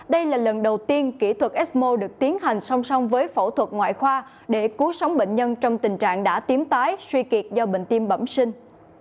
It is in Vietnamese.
đây là lần đầu tiên kỹ thuật ecmo được tiến hành song song với phẫu thuật ngoại khoa để cứu sống bệnh nhân trong tình trạng đã tím tái suy kiệt do bệnh tim bẩm sinh